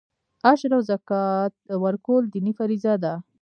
عشر او زکات ورکول دیني فریضه ده.